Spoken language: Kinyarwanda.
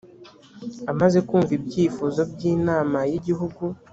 amaze kumva ibyifuzo by inama y igihugu